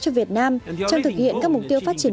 cho việt nam trong thực hiện các mục tiêu phát triển